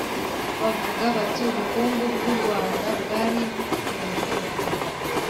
Bavuga bati Ubukungu bw u Rwanda bwari bufungiranye